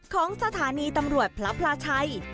ของสถานีตำรวจพระพลาชัย